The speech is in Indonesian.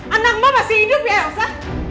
anak mbak masih hidup ya elsa